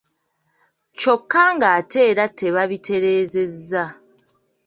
Kyokka ng’ate era tebabitereezezza.